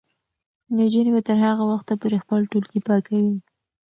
نجونې به تر هغه وخته پورې خپل ټولګي پاکوي.